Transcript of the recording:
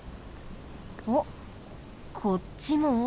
おっこっちも。